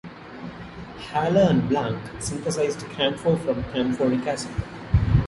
Haller and Blanc synthesized camphor from camphoric acid.